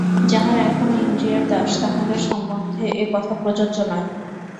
যাহারা এখনও ইন্দ্রিয়ের দাস, তাহাদের সম্বন্ধে এ-কথা প্রযোজ্য নয়।